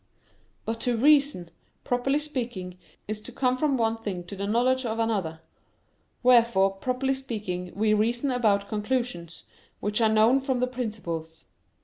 But to reason, properly speaking, is to come from one thing to the knowledge of another: wherefore, properly speaking, we reason about conclusions, which are known from the principles.